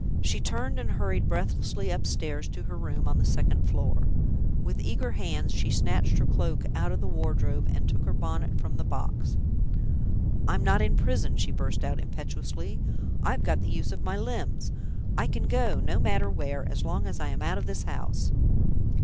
She turned and hurried breathlessly upstairs to her room on the second floor. With eager hands she snatched her cloak out of the wardrobe, and took her bonnet from the box. "I'm not in prison!" she burst out, impetuously. "I've got the use of my limbs! I can go no matter where, as long as I am out of this house!"